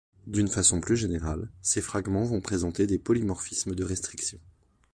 D'une façon plus générale, ces fragments vont présenter des polymorphismes de restriction.